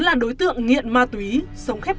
là đối tượng nghiện ma túy sống khép